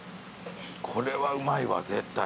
これはうまいわ絶対。